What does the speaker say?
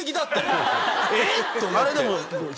あれでも。